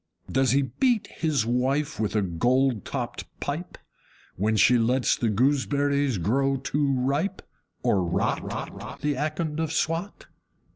Does he beat his wife with a gold topped pipe, When she lets the gooseberries grow too ripe, or ROT, The Akond of Swat?